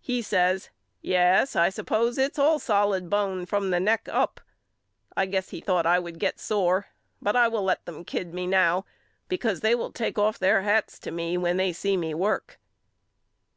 He says Yes I suppose it's all solid bone from the neck up. I guess he thought I would get sore but I will let them kid me now because they will take off their hats to me when they see me work.